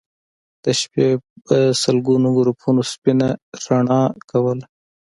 د شپې به سلګونو ګروپونو سپينه رڼا کوله